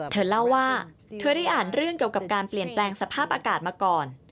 เธอเล่าว่าเธอได้อ่านเรื่องเกี่ยวกับการเปลี่ยนแปลงสภาพอากาศมาก่อน